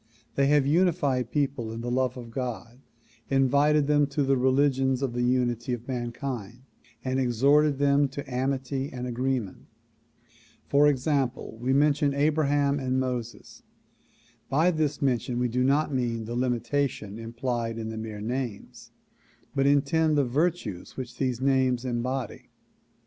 They have united people in the love of God, invited them to the religions of the unity of mankind and exhorted them to amity and agreement. For example, we mention Abraham and DISCOURSES DELIVERED IN NEW YORK 147 Moses. By this mention we do not mean the limitation implied in the mere names but intend the virtues which these names embody.